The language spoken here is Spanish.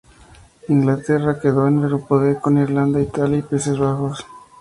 Inglaterra quedó en el grupo D con Irlanda, Italia y Países Bajos.